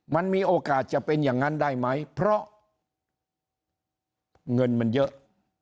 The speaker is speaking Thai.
มันมีโอกาสจะเป็นอย่างนั้นได้ไหมเพราะเงินมันเยอะ